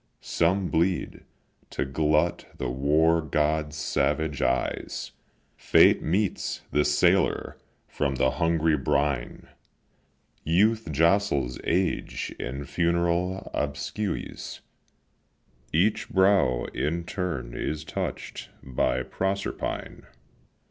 Some bleed, to glut the war god's savage eyes; Fate meets the sailor from the hungry brine; Youth jostles age in funeral obsequies; Each brow in turn is touch'd by Proserpine.